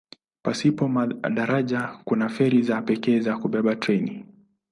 Pasipo madaraja kuna feri za pekee za kubeba treni.